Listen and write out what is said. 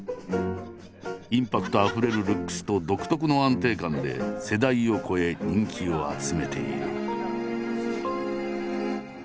インパクトあふれるルックスと独特の安定感で世代を超え人気を集めている。